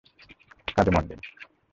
কাজে মন দিন!